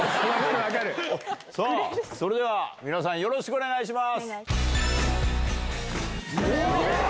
それでは皆さんよろしくお願いします。